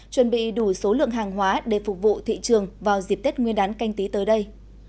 chuẩn bị đủ số lượng hàng hóa để phục vụ thị trường vào dịp tết nguyên đán canh tí tới đây